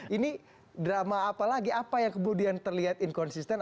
ini drama apa lagi apa yang kemudian terlihat inkonsisten